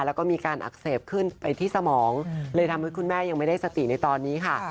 แล้วก็มีการอักเสบขึ้นไปที่สมองเลยทำให้คุณแม่ยังไม่ได้สติในตอนนี้ค่ะ